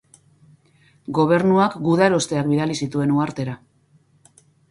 Gobernuak gudarosteak bidali zituen uhartera.